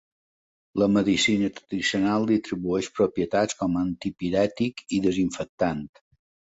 La medicina tradicional li atribueix propietats com a antipirètic i desinfectant.